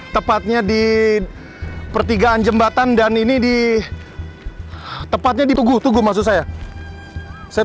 tepatnya di pertigaan jembatan dan ini di tepatnya ditunggu tunggu maksud saya saya